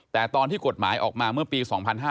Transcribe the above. แต่ตอนที่กฎหมายออกมาเมื่อปี๒๕๕๙